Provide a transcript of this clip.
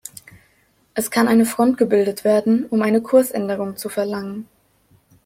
Es kann eine Front gebildet werden, um eine Kursänderung zu verlangen.